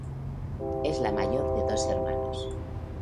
Es la mayor de dos hermanos.